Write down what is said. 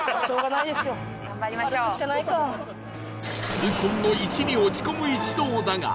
痛恨の「１」に落ち込む一同だが